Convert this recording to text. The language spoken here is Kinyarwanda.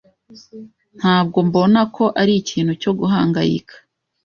Ntabwo mbona ko ari ikintu cyo guhangayika.